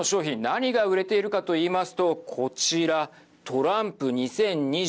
何が売れているかと言いますとこちら、トランプ２０２４。